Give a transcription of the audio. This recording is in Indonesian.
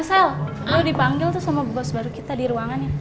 eh sel lo dipanggil sama bos baru kita di ruangannya